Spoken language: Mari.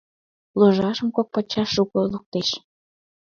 Ложашым кок пачаш шуко луктеш.